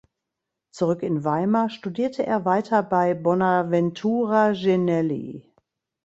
Zurück in Weimar studierte er weiter bei Bonaventura Genelli.